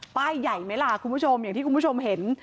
ใหญ่ไหมล่ะคุณผู้ชมอย่างที่คุณผู้ชมเห็น